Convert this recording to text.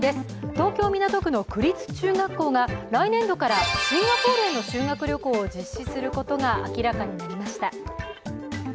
東京・港区の区立中学校が来年度からシンガポールへの修学旅行を実施することが明らかになりました。